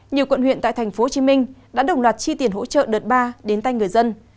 nhiều quận huyện tại tp hcm đã đồng loạt chi tiền hỗ trợ đợt ba đến tay người dân